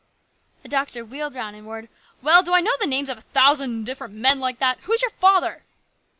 The doctor wheeled round and roared :" Well, do I know the names of a thousand different men like that ? Who is your father